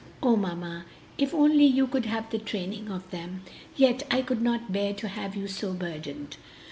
Ah, mamma, if only you could have the training of them! Yet I could not bear to have you so burdened."